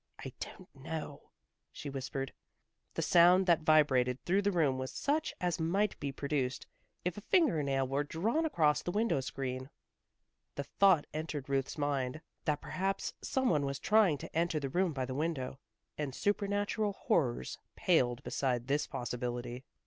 "I don't know," she whispered. The sound that vibrated through the room was such as might be produced if a finger nail were drawn across the window screen. The thought entered Ruth's mind, that perhaps some one was trying to enter the room by the window, and supernatural horrors paled beside this possibility.